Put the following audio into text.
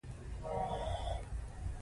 باید د چای بیه د سرو زرو څو برابره شي.